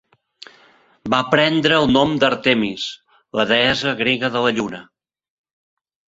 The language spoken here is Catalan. Va prendre el nom d'Artemis, la deessa grega de la lluna.